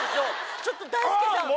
ちょっと大輔さん。